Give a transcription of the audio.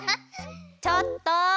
・ちょっと！